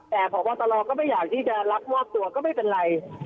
แต่พบตรก็ไม่อยากที่จะรับมอบตัวก็ไม่เป็นไร